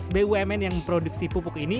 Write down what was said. terobosan yang digagas bumn yang memproduksi pupuk ini